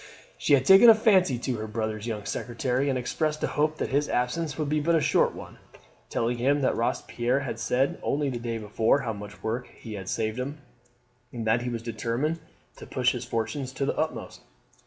She had taken a fancy to her brother's young secretary, and expressed a hope that his absence would be but a short one, telling him that Robespierre had said only the day before how much work he had saved him, and that he was determined to push his fortunes to the utmost.